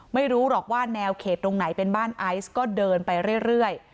ไม่รู้หรอกว่าแนวเขตตรงไหนเป็นบ้านไอซ์ก็เดินไปเรื่อย